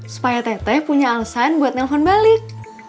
supaya tete punya alasan buat nelfon balik